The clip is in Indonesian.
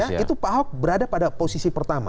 ya itu pak ahok berada pada posisi pertama